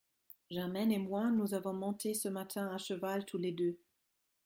Germaine et moi, nous avons monté ce matin à cheval tous les deux…